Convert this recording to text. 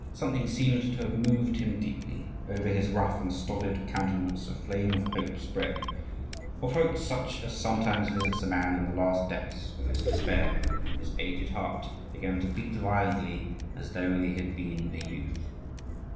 Something seemed to have moved him deeply; over his rough and stolid countenance a flame of hope spread, of hope such as sometimes visits a man in the last depths of his despair; his aged heart began to beat violently as though he had been a youth.